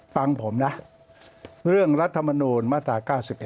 ฟังผมนะเรื่องรัฐมนูลมาตรา๙๑